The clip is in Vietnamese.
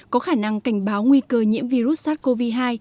có khả năng cảnh báo nguy cơ nhiễm virus sars cov hai